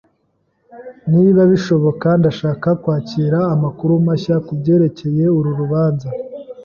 Niba bishoboka, ndashaka kwakira amakuru mashya kubyerekeye uru rubanza.